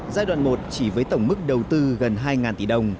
giai đoạn một chỉ với tổng mức đầu tư gần hai tỷ đồng